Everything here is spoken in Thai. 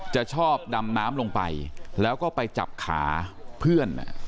จะชอบดำน้ำลงไปแล้วก็ไปจับขาเพื่อน